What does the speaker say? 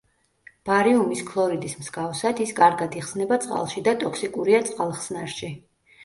ბარიუმის ქლორიდის მსგავსად, ის კარგად იხსნება წყალში და ტოქსიკურია წყალხსნარში.